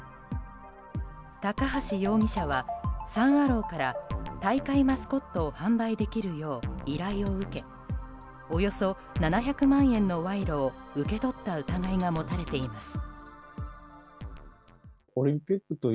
高橋容疑者はサン・アローから大会マスコットを販売できるよう依頼を受けおよそ７００万円の賄賂を受け取った疑いがもたれています。